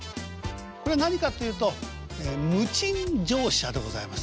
これは何かっていうと「無賃乗車」でございます。